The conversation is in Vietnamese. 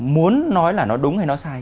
muốn nói là nó đúng hay nó sai